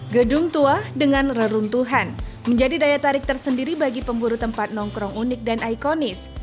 gedung tua dengan reruntuhan menjadi daya tarik tersendiri bagi pemburu tempat nongkrong unik dan ikonis